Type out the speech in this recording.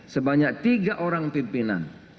sebanyak tiga orang pimpinan